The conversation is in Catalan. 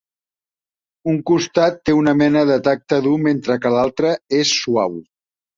Un costat té una mena de tacte dur mentre que l'altre és suau.